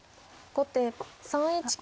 後手３一金。